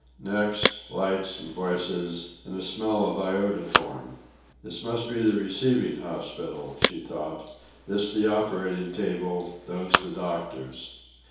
Next, light and voices, and a smell of iodoform. This must be the receiving hospital, she thought, this the operating table, those the doctors.